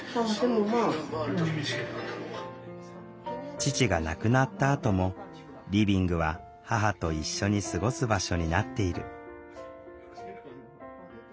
父が亡くなったあともリビングは母と一緒に過ごす場所になっている。